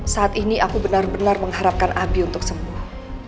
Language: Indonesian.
saat ini aku benar benar mengharapkan abi untuk semua